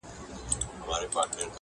له لېوه څخه پسه نه پیدا کیږي.!